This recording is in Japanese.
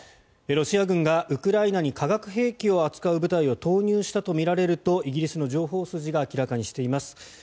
ロシア軍がウクライナに化学兵器を扱う部隊を投入したとみられるとイギリスの情報筋が明らかにしています。